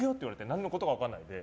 何のことか分からないで。